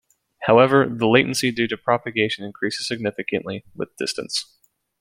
However, the latency due to propagation increases significantly with distance.